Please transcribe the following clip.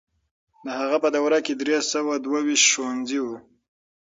د هغه په دوره کې درې سوه دوه ويشت ښوونځي وو.